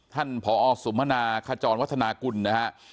ท่านพอสุมภนาคจรวัฒนากุลนะครับ